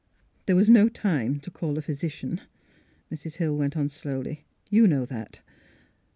'' There was no time to call a physician," Mrs. Hill went on, slowly; " you know that."